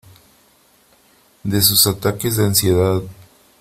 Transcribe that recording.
de sus ataques de ansiedad .